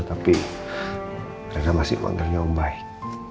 tapi reona masih panggilnya om baik